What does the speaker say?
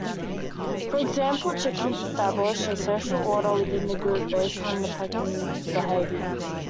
For example, chickens establish a social order within the group based on pecking behaviors.